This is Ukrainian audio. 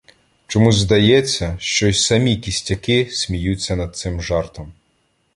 Чомусь здається, що й самі кістяки сміються над цим жартом.